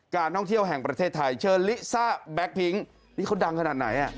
การท่องเที่ยวแห่งประเทศไทยเชิญลิซ่าแบ็คพิ้งนี่เขาดังขนาดไหนอ่ะ